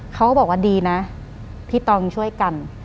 เขาก็บอกว่าดีนะพี่ตองช่วยกัน